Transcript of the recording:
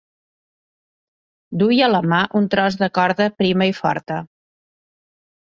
Duia a la mà un tros de corda prima i forta.